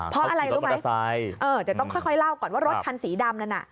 เพราะอะไรรู้ไหมเดี๋ยวต้องค่อยเล่าก่อนว่ารถคันสีดำนั้นน่ะ